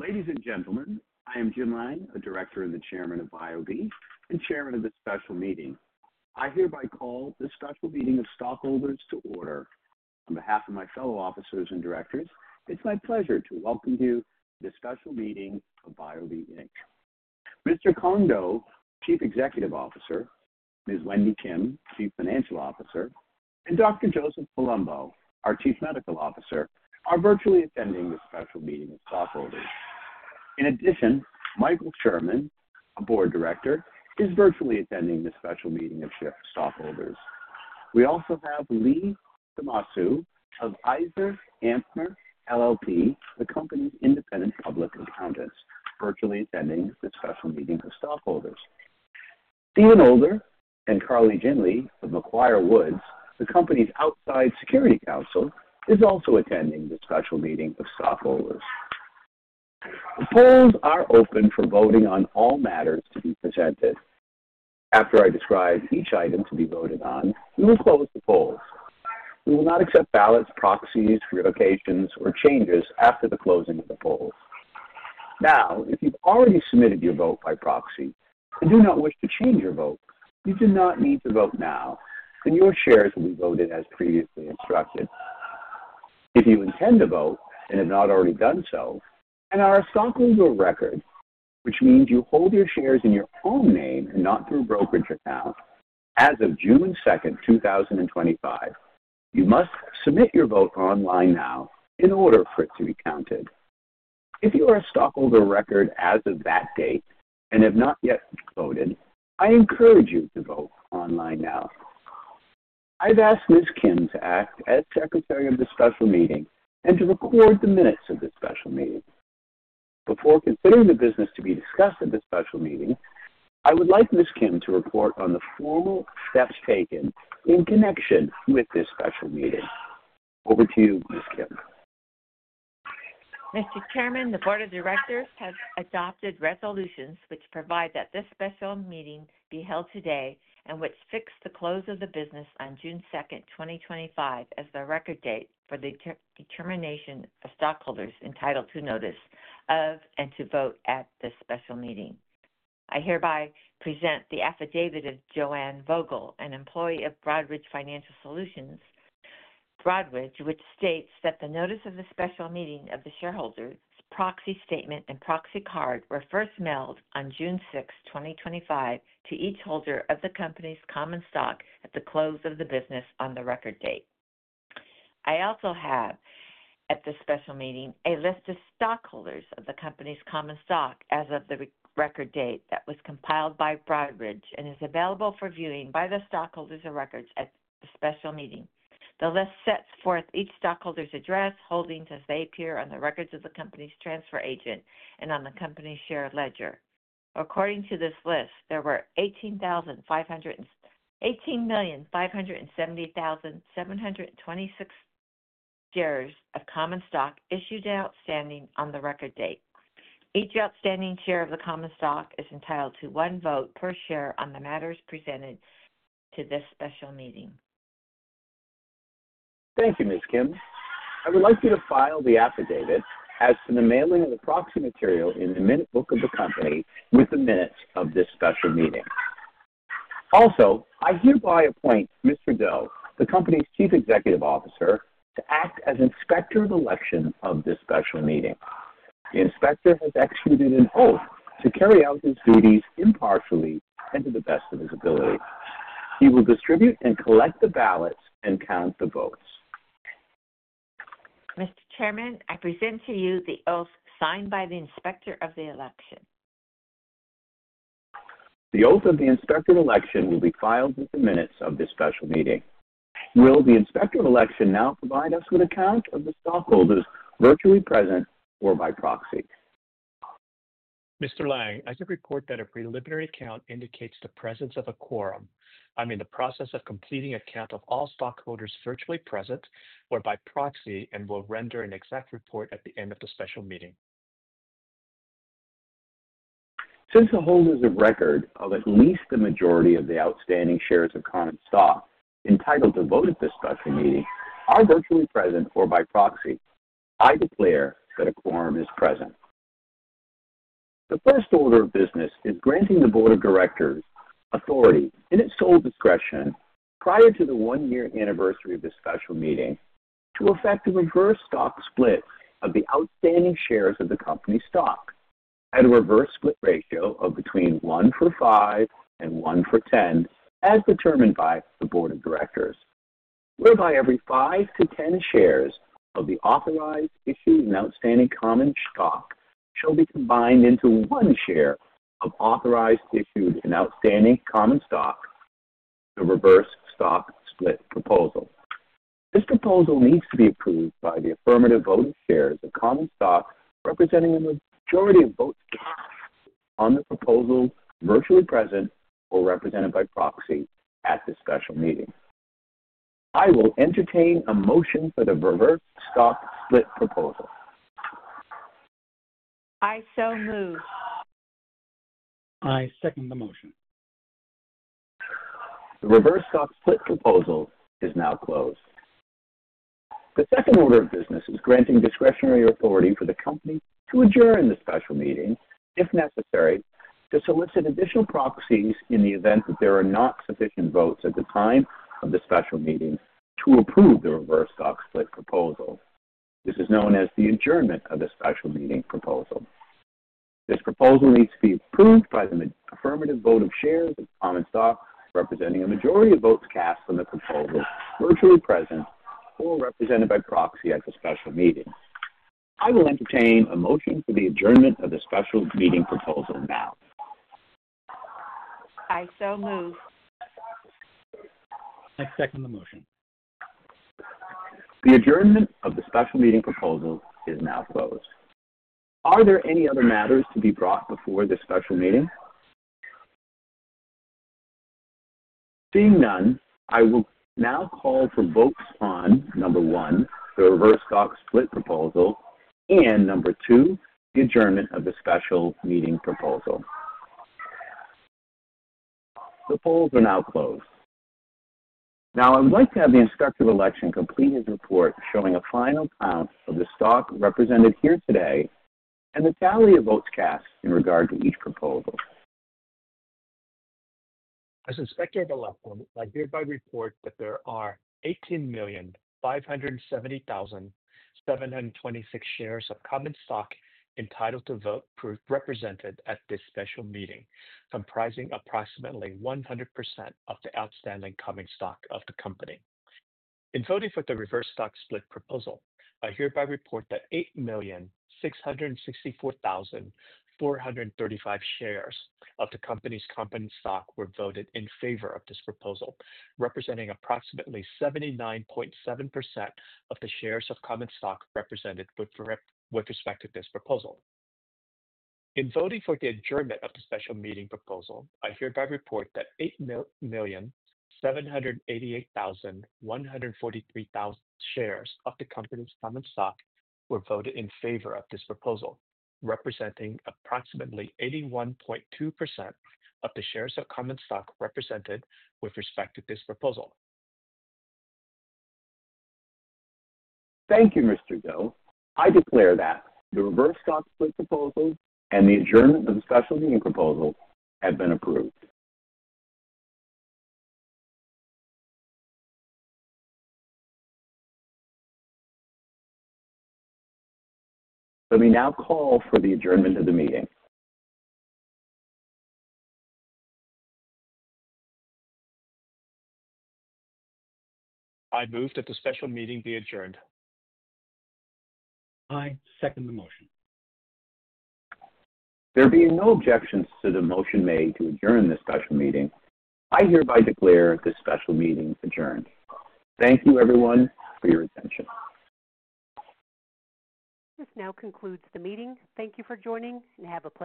Ladies and gentlemen, I am Jim Lang, the Director and the Chairman of BioVie and Chairman of the Special Meeting. I hereby call the Special Meeting of Stockholders to order. On behalf of my fellow officers and directors, it's my pleasure to welcome you to the Special Meeting of BioVie. Mr. Cuong Do, our Chief Executive Officer; Ms. Wendy Kim, Chief Financial Officer; and Dr. Joseph Palumbo, our Chief Medical Officer, are virtually attending the Special Meeting of Stockholders. In addition, Michael Sherman, a Board Director, is virtually attending the Special Meeting of Stockholders. We also have Lee Tomasu of EisnerAmper LLP, the company's independent public accountant, virtually attending the Special Meeting of Stockholders. Stephen Older and Carly Ginley of McGuireWoods, the company's outside securities counsel, are also attending the Special Meeting of Stockholders. The polls are open for voting on all matters to be presented. After I describe each item to be voted on, we will close the polls. We will not accept ballots, proxies, revocations, or changes after the closing of the polls. Now, if you've already submitted your vote by proxy and do not wish to change your vote, you do not need to vote now, and your shares will be voted as previously instructed. If you intend to vote and have not already done so and are a Stockholder of Record, which means you hold your shares in your own name and not through a brokerage account, as of June 2, 2025, you must submit your vote online now in order for it to be counted. If you are a Stockholder of Record, as of that date and have not yet voted, I encourage you to vote online now. I've asked Ms. Kim to act as Secretary of the Special Meeting and to record the minutes of the Special Meeting. Before considering the business to be discussed at the Special Meeting, I would like Ms. Kim, to report on the formal steps taken in connection with this Special Meeting. Over to you, Ms. Kim. Mr. Chairman, the Board of Directors, has adopted resolutions which provide that this Special Meeting, be held today and which fix the close of business on June 2, 2025, as the record date for the determination of stockholders entitled to notice of and to vote at this Special Meeting. I hereby present the affidavit of Joanne Vogel, an employee of Broadridge Financial Solutions, Broadridge, which states that the notice of the Special Meeting, of the shareholders, proxy statement, and proxy card were first mailed on June 6, 2025, to each holder of the company's common stock at the close of business on the record date. I also have at the Special Meeting, a list of stockholders of the company's common stock as of the record date, that was compiled by Broadridge, and is available for viewing by the stockholders of record at the Special Meeting. The list sets forth each stockholder's address, holdings as they appear on the records of the company's transfer agent and on the company's share ledger. According to this list, there were 18,570,726 shares of common stock, issued and outstanding, on the record date. Each outstanding share of the common stock, is entitled to one vote per share on the matters presented to this Special Meeting. Thank you, Ms. Kim. I would like you to file the affidavit as to the mailing of the proxy material in the Minute Book of the company, with the minutes of this Special Meeting. Also, I hereby appoint Mr. Do, the company's Chief Executive Officer, to act as Inspector of Election, of this Special Meeting. The Inspector, has executed an oath to carry out his duties impartially and to the best of his ability. He will distribute and collect the ballots and count the votes. Mr. Chairman, I present to you the oath signed by the Inspector of the Election. The oath of the Inspector of Election, will be filed with the minutes of this Special Meeting. Will the Inspector of Election, now provide us with a count of the stockholders virtually present or by proxy? Mr. Lang, I can report that a preliminary count indicates the presence of a quorum, I mean the process of completing a count of all stockholders virtually present or by proxy, and will render an exact report at the end of the Special Meeting. Since the holders of record of at least the majority of the outstanding shares of common stock entitled to vote at this Special Meeting are virtually present or by proxy, I declare that a quorum is present. The first order of business is granting the Board of Directors authority, in its sole discretion, prior to the one-year anniversary of the Special Meeting, to effect a reverse stock split of the outstanding shares of the company's stock at a reverse split ratio, of between one for five and one for ten, as determined by the Board of Directors, whereby every five to ten shares, of the authorized issued and outstanding common stock, shall be combined into one share of authorized issued and outstanding common stock, the reverse stock split proposal. This proposal needs to be approved by the affirmative voting shares of common stock representing a majority of votes cast on the proposal virtually present or represented by proxy at this Special Meeting. I will entertain a motion for the reverse stock split proposal. I so move. I second the motion. The reverse stock split proposal is now closed. The second order of business is granting discretionary authority for the company to adjourn the Special Meeting, if necessary, to solicit additional proxies, in the event that there are not sufficient votes at the time of the Special Meeting, to approve the reverse stock split proposal. This is known as the adjournment of the Special Meeting proposal. This proposal needs to be approved by the affirmative vote of shares of common stock, representing a majority of votes cast on the proposal virtually present or represented by proxy at the Special Meeting. I will entertain a motion for the adjournment of the Special Meeting proposal now. I so move. I second the motion. The adjournment of the Special Meeting proposal is now closed. Are there any other matters to be brought before this Special Meeting? Being none, I will now call for votes on, number one, the reverse stock split proposal and, number two, the adjournment of the Special Meeting proposal. The polls are now closed. Now, I would like to have the Inspector of Election complete his report showing a final count of the stock represented here today and the tally of votes cast in regard to each proposal. As Inspector of Election, I hereby report that there are 18,570,726 shares of common stock, entitled to vote represented at this Special Meeting, comprising approximately 100% of the outstanding common stock of the company. In voting for the reverse stock split proposal, I hereby report that 8,664,435 shares of the company's common stock were voted in favor of this proposal, representing approximately 79.7% of the shares of common stock, represented with respect to this proposal. In voting for the adjournment of the Special Meeting proposal, I hereby report that 8,788,143 shares of the company's common stock were voted in favor of this proposal, representing approximately 81.2% of the shares of common stock represented with respect to this proposal. Thank you, Mr. Do. I declare that the reverse stock split proposal and the adjournment of the Special Meeting proposal have been approved. Let me now call for the adjournment of the meeting. I move that the Special Meeting be adjourned. I second the motion. There being no objections to the motion made to adjourn the Special Meeting, I hereby declare the Special Meeting adjourned. Thank you, everyone, for your attention. This now concludes the meeting. Thank you for joining and have a pleasant day.